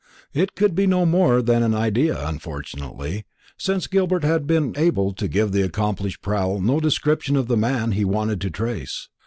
It could be no more than an idea, unfortunately, since Gilbert had been able to give the accomplished Proul no description of the man he wanted to trace.